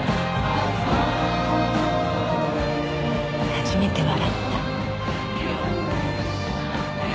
初めて笑った。